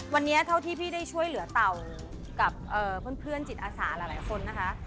วันนี้เท่าที่พี่ได้ช่วยเหลือเต่ากับเพื่อนจิตอาสาหลายคนนะคะ